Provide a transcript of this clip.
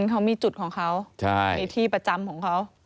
เขามีจุดของเขามีที่ประจำของเขา